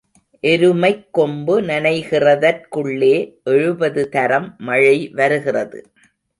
எருமைக் கொம்பு நனைகிறதற்குள்ளே எழுபது தரம் மழை வருகிறது.